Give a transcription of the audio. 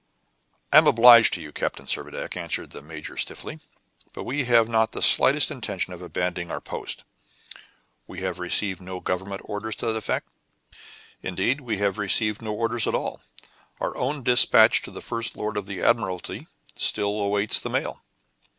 "I am obliged to you, Captain Servadac," answered the major stiffly; "but we have not the slightest intention of abandoning our post. We have received no government orders to that effect; indeed, we have received no orders at all. Our own dispatch to the First Lord of the Admiralty still awaits the mail."